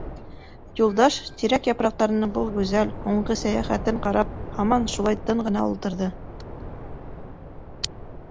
Юлдаш, тирәк япраҡтарының был гүзәл, һуңғы сәйәхәтен ҡарап, һаман шулай тын ғына ултырҙы.